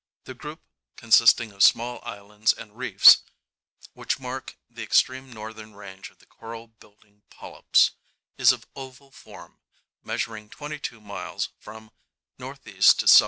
The group, consisting of small islands and reefs (which mark the extreme northern range of the coral building polyps), is of oval form, measuring 22 m. from N.E. to S.W.